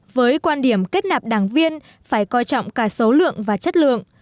với quan điểm kết nạp đảng viên phải coi trọng cả số lượng và chất lượng